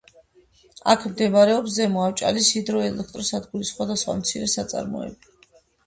აქ მდებარეობს ზემო ავჭალის ჰიდროელექტროსადგური, სხვადასხვა მცირე საწარმოები.